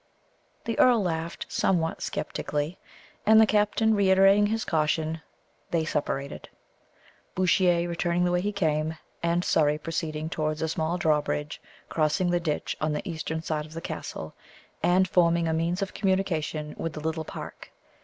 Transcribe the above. The earl laughed somewhat sceptically, and the captain reiterating his caution, they separated Bouchier returning the way he came, and Surrey proceeding towards a small drawbridge crossing the ditch on the eastern side of the castle, and forming a means of communication with the Little Park.